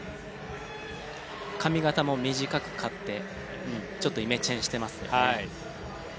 髪形も短く刈ってちょっとイメチェンしてますよね。